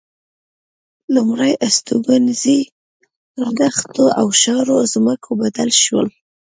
لومړ هستوګنځي پر دښتو او شاړو ځمکو بدل شول.